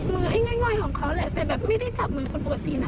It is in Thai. ไอ้ง่อยของเขาแหละแต่แบบไม่ได้จับมือคนปกตินะ